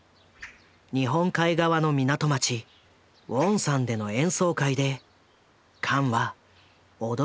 日本海側の港町ウォンサンでの演奏会でカンは驚くべき光景を目にする。